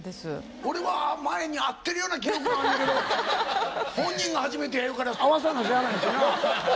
俺は前に会ってるような記憶があんねんけど本人が初めてや言うから合わさなしゃあないしな。